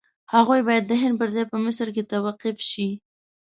هغوی باید د هند پر ځای په مصر کې توقیف شي.